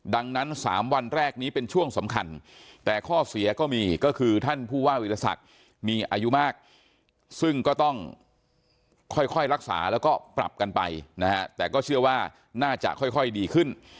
ดังนั้น๓วันแรกนี้เป็นช่วงสำคัญแต่ข้อเสียก็มีก็คือท่านผู้ว่าวิทยาศักดิ์มีอายุมากซึ่งก็ต้องค่อยรักษาแล้วก็ปรับกันไปนะฮะแต่ก็เชื่อว่าน่าจะค่อยดีขึ้น